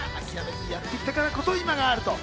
ずっとやってきたからこそ、今があると。